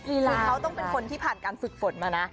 คือเขาต้องเป็นคนที่ผ่านการฝึกฝนมานะ